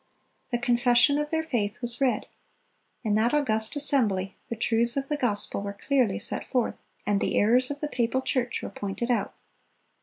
The confession of their faith was read. In that august assembly the truths of the gospel were clearly set forth, and the errors of the papal church were pointed out.